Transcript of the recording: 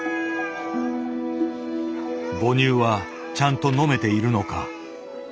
母乳はちゃんと飲めているのか。